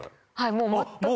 もう全く。